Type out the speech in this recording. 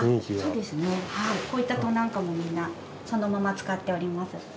そうですねこういった戸なんかもみんなそのまま使っております。